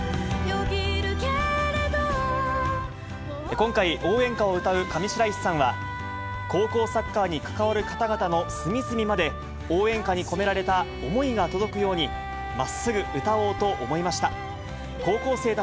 今回、応援歌を歌う上白石さんは、高校サッカーに関わる方々の隅々まで、応援歌に込められた思いが届くように、まっすぐ歌おうと思いました。